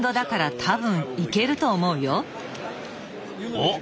おっ！